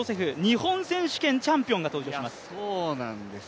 日本選手権チャンピオンが登場します。